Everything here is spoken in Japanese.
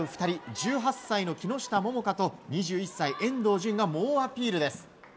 １８歳の木下桃香と２１歳、遠藤純が猛アピールです。